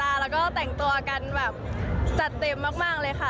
แล้วก็แต่งตัวกันแบบจัดเต็มมากเลยค่ะ